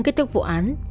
kết thúc vụ án